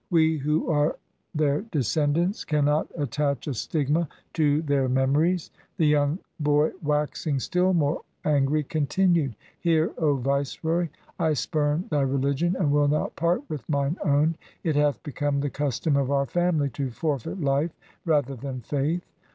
We, who are their descendants, can not attach a stigma to their memories.' The young LIFE OF GURU GOBIND SINGH 197 boy waxing still more angry, continued, ' Hear, O viceroy, I spurn thy religion and will not part with mine own. It hath become the custom of our family to forfeit life rather than faith.